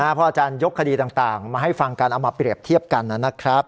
นะฮะเพราะอาจารย์ยกคดีต่างต่างมาให้ฟังการเอามาเปรียบเทียบกันน่ะนะครับ